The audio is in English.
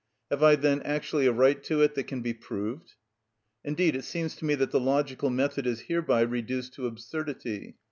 Have I, then, actually a right to it that can be proved?" Indeed it seems to me that the logical method is hereby reduced to absurdity.